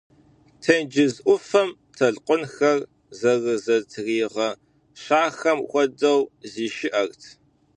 Тенджыз ӏуфэм толъкъунхэр зэрызэтригъэщахэм хуэдэу зишыӏэрт.